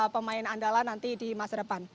pemain andalan nanti di masa depan